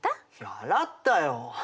洗ったよ？